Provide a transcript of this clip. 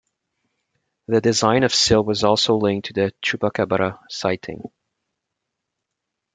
The design of Sil was also linked to a chupacabra sighting.